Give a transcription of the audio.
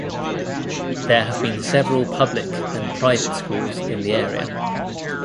There have been several public and private schools in the area.